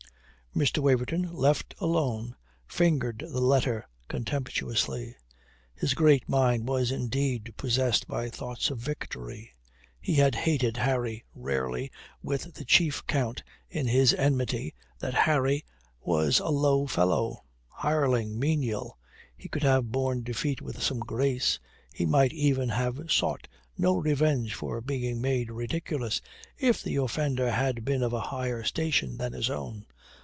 Mr. Waverton, left alone, fingered the letter contemptuously. His great mind was indeed possessed by thoughts of victory. He had hated Harry rarely with the chief count in his enmity that Harry was a low fellow, hireling, menial. He could have borne defeat with some grace, he might even have sought no revenge for being made ridiculous, if the offender had been of a higher station than his own.